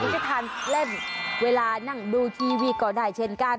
จะทานเล่นเวลานั่งดูทีวีก็ได้เช่นกัน